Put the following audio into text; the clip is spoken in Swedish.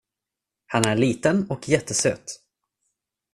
Han är liten och jättesöt.